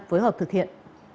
phối hợp thực hiện